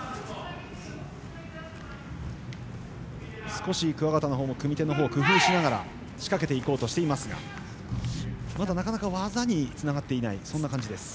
少し桑形も組み手を工夫しながら仕掛けていこうとしていますがまだ、なかなか技につながっていない感じです。